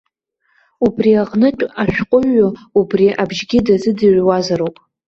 Убри аҟнытә ашәҟәыҩҩы убри абжьгьы дазыӡырҩуазароуп.